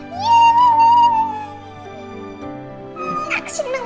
aku seneng banget nut